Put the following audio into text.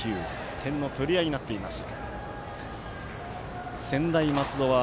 点の取り合いになっています。